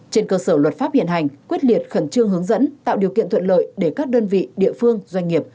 trên cơ sở luật pháp hiện hành quyết liệt khẩn trương hướng dẫn tạo điều kiện thuận lợi để các đơn vị địa phương doanh nghiệp